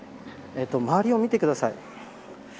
周りを見てください。